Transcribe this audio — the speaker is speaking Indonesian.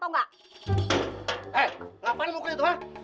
eh ngapain lo kelihatan